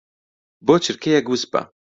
بۆ چرکەیەک وس بە.